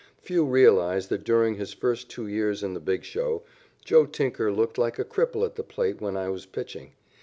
Few realize that during his first two years in the big show Joe Tinker looked like a cripple at the plate when I was pitching.